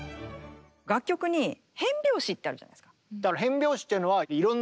楽曲に変拍子ってあるじゃないですか。